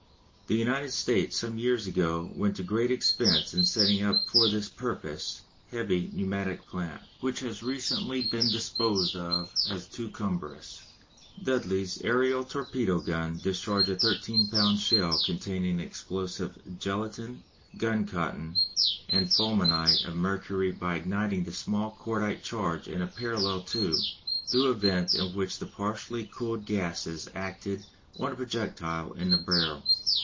The United States some years ago went to great expense in setting up for this purpose heavy pneumatic plant, which has recently been disposed of as too cumbrous. Dudley's "Aërial Torpedo" gun discharged a 13 lb. shell containing explosive gelatine, gun cotton, and fulminate of mercury by igniting the small cordite charge in a parallel tube, through a vent in which the partially cooled gases acted on the projectile in the barrel.